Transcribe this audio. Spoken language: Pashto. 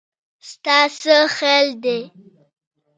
ستا څه خيال دی